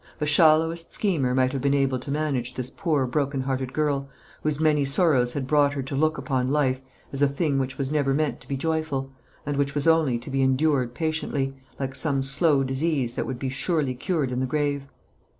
The shallowest schemer might have been able to manage this poor broken hearted girl, whose many sorrows had brought her to look upon life as a thing which was never meant to be joyful, and which was only to be endured patiently, like some slow disease that would be surely cured in the grave.